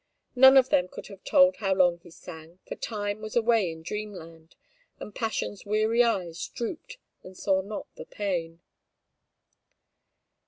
None of them could have told how long he sang, for time was away in dreamland, and passion's weary eyes drooped and saw not the pain.